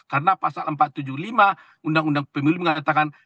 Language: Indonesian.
karena pasal empat ratus tujuh puluh lima undang undang pemilu mengatakan